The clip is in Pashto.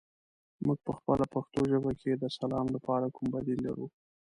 موږ پخپله پښتو ژبه کې د سلام لپاره کوم بدیل لرو؟